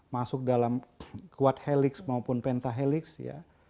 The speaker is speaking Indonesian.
masuk dalam quad helix maupun pentahelix ya